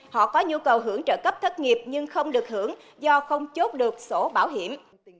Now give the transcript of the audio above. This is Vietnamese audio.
họ có nhu cầu hưởng trợ cấp thất nghiệp nhưng không được hưởng do không chốt được sổ bảo hiểm